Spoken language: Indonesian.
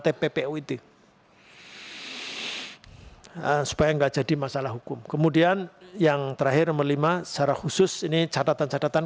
tppu itu hai supaya enggak jadi masalah hukum kemudian yang terakhir melima secara khusus ini catatan catatan